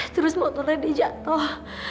terus motornya dia jatuh